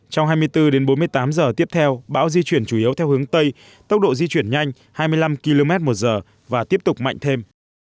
trong hai mươi bốn đến bốn mươi tám giờ tiếp theo bão di chuyển chủ yếu theo hướng tây tốc độ di chuyển nhanh hai mươi năm km một giờ và tiếp tục mạnh thêm